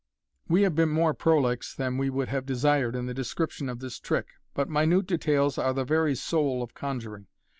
We have been more prolix than we could have desired in the description of this trick, but minute details are the very soul of con juring.